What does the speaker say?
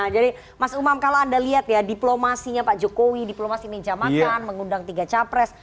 jadi mas umam kalau anda lihat ya diplomasinya pak jokowi diplomasi menjamakan mengundang tiga capres